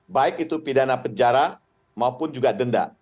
baik itu pidana penjara maupun juga denda